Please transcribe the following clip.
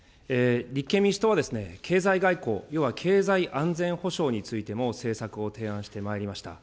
立憲民主党は、経済外交、要は経済安全保障についても政策を提案してまいりました。